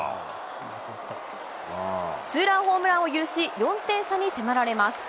ツーランホームランを許し、４点差に迫られます。